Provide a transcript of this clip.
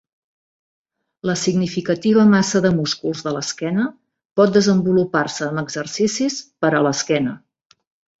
La significativa massa de músculs de l'esquena pot desenvolupar-se amb exercicis per a l'esquena.